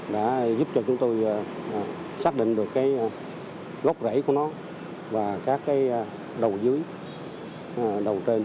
đã giúp cho chúng tôi xác định được cái gốc rễ của nó và các cái đầu dưới đầu kênh